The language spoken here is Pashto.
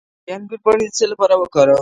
د انګور پاڼې د څه لپاره وکاروم؟